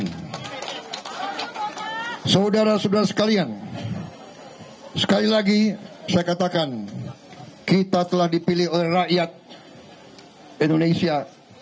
dan saudara saudara sekalian sekali lagi saya katakan kita telah dipilih oleh rakyat indonesia